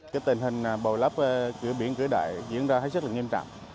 cái tình hình bồi lấp cửa biển cửa đại diễn ra thấy rất là nghiêm trạng